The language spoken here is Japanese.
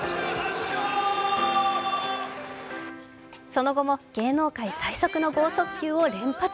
その後も芸能界最速の剛速球を連発。